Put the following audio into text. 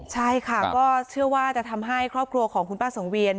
ใช่ค่ะก็เชื่อว่าจะทำให้ครอบครัวของคุณป้าสังเวียน